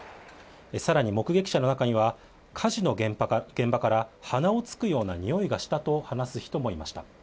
さらに目撃者の中には、火事の現場から鼻をつくようなにおいがしたと話す人もいました。